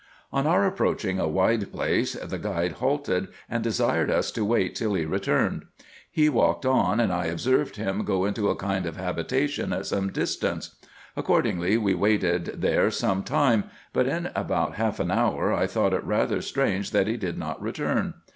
On our approaching a wide place the guide halted, and desired us to wait till he returned : he walked on, and I observed him go into a kind of habitation at some distance. Accordingly we waited there some time ; but in about half an hour I thought it rather strange that he did not return.